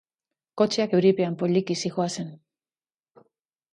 Kotxeak euripean poliki zihoazen.